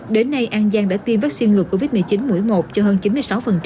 đến nay an giang đã tiêm vaccine ngừa covid một mươi chín mũi một cho hơn chín mươi sáu